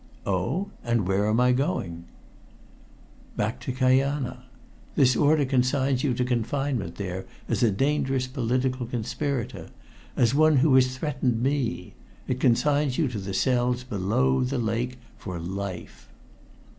"Oh! And where am I going?" "Back to Kanaja. This order consigns you to confinement there as a dangerous political conspirator, as one who has threatened me it consigns you to the cells below the lake for life!"